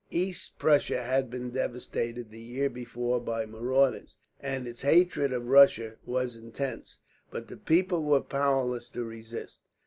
East Prussia had been devastated the year before by marauders, and its hatred of Russia was intense; but the people were powerless to resist.